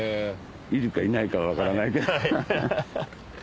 いるかいないかは分からないけど。